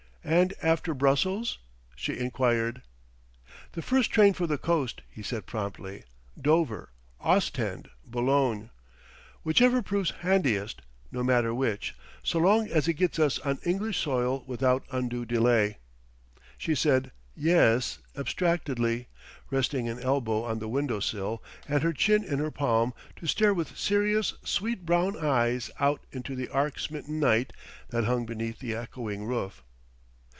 "And after Brussels?" she inquired. "First train for the coast," he said promptly. "Dover, Ostend, Boulogne, whichever proves handiest, no matter which, so long as it gets us on English soil without undue delay." She said "Yes" abstractedly, resting an elbow on the window sill and her chin in her palm, to stare with serious, sweet brown eyes out into the arc smitten night that hung beneath the echoing roof.